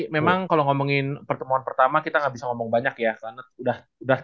memang kalau ngomongin pertemuan pertama kita nggak bisa ngomong banyak ya karena udah udah